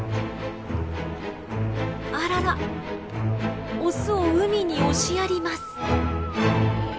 あららオスを海に押しやります。